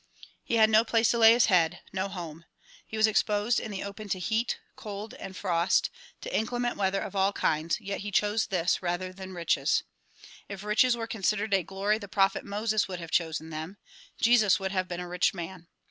He had no place to lay his head; no home. He was exposed in the open to heat, cold and frost ; to inclement weather of all kinds, yet he chose this rather than riches. If riches were considered a glory the prophet Moses would have chosen them; Jesus would have been a rich man.